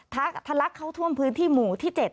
ทะลักเข้าท่วมพื้นที่หมู่ที่๗